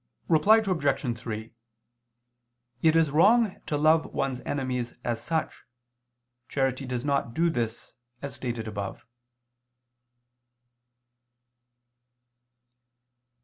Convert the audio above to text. Reply Obj. 3: It is wrong to love one's enemies as such: charity does not do this, as stated above.